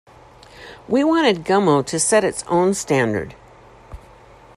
We wanted "Gummo" to set its own standard.